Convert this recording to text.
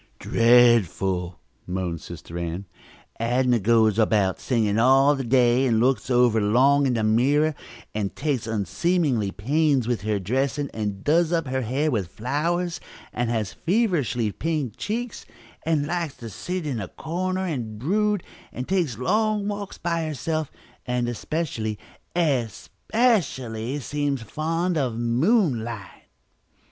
"Dreadful!" moaned Sister Ann. "Adnah goes about sighing all the day, and looks over long in the mirror, and takes unseemly pains with her dressing, and does up her hair with flowers, and has feverishly pink cheeks, and likes to sit in a corner and brood, and takes long walks by herself, and especially, especially, seems fond of moonlight!"